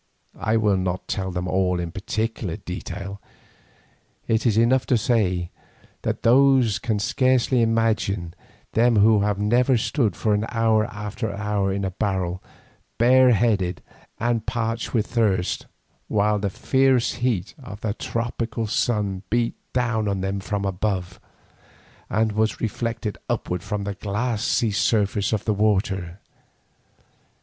I will not tell them all in particular detail, it is enough to say that those can scarcely imagine them who have never stood for hour after hour in a barrel, bare headed and parched with thirst, while the fierce heat of a tropical sun beat down on them from above, and was reflected upward from the glassy surface of the water.